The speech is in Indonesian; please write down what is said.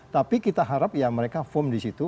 tapi kita harap ya mereka firm di situ